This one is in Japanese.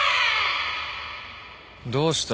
どうした？